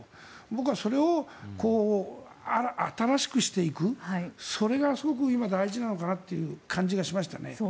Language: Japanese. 僕はそれを新しくしていくそれがすごく今、大事なのかなって感じがしましたね。